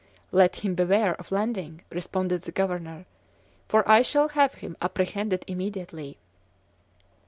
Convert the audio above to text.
"Let him beware of landing," responded the governor, "for I shall have him apprehended immediately!"